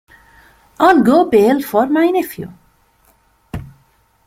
I’ll go bail for my nephew.